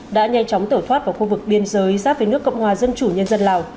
đã nhanh chóng tở thoát vào khu vực biên giới giáp với nước cộng hòa dân chủ nhân dân lào